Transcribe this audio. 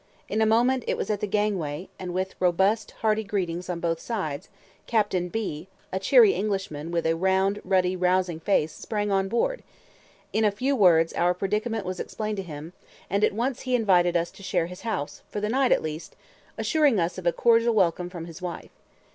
In a moment it was at the gangway, and with robust, hearty greetings on both sides, Captain B , a cheery Englishman, with a round, ruddy, rousing face, sprang on board; in a few words our predicament was explained to him, and at once he invited us to share his house, for the night at least, assuring us of a cordial welcome from his wife.